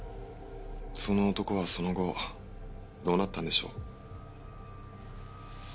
その男はその後どうなったんでしょう？